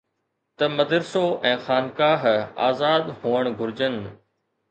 ته مدرسو ۽ خانقاه آزاد هئڻ گهرجن